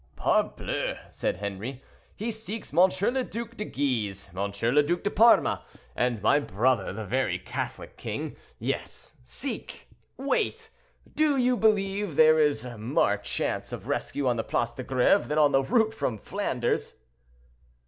"Parbleu!" said Henri; "he seeks M. le Duc de Guise, M. le Duc de Parma, and my brother, the very Catholic king. Yes, seek, wait; do you believe that there is more chance of rescue on the Place de Greve than on the route from Flanders?"